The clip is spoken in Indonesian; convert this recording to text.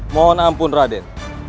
mohon ampun raden